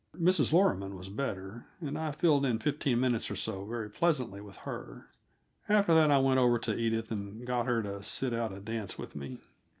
Mrs. Loroman was better, and I filled in fifteen minutes or so very pleasantly with her. After that I went over to Edith and got her to sit out a dance with me.